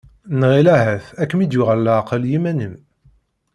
Nɣil ahat ad kem-id-yuɣal leɛqel yiman-im.